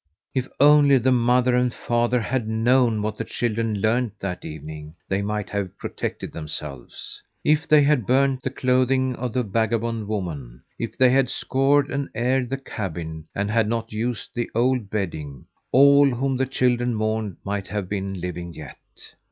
If only the mother and father had known what the children learned that evening, they might have protected themselves. If they had burned the clothing of the vagabond woman; if they had scoured and aired the cabin and had not used the old bedding, all whom the children mourned might have been living yet.